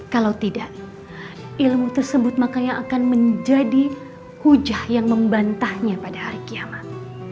kalau tidak ilmu tersebut makanya akan menjadi hujah yang membantahnya pada hari kiamat